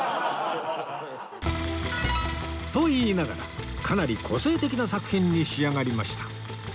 と言いながらかなり個性的な作品に仕上がりました